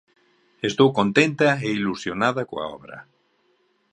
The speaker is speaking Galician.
Estou contenta e ilusionada coa obra.